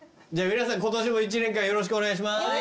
じゃ皆さん今年も一年間よろしくお願いします。